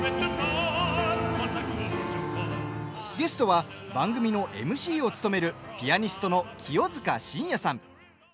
ゲストは番組のＭＣを務めるピアニストの清塚信也さん。